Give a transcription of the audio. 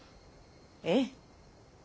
ええ。